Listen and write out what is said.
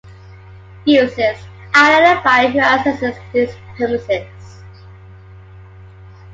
Uses: Identifying who accesses these premises.